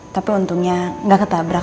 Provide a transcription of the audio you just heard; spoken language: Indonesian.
tapi untungnya ga ketabrak